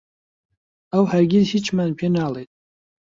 ئەو هەرگیز هیچمان پێ ناڵێت.